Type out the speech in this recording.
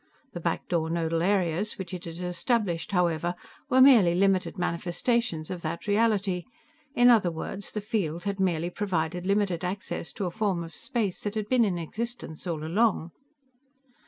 The back door nodal areas which it had established, however, were merely limited manifestations of that reality in other words, the field had merely provided limited access to a form of space that had been in existence all along.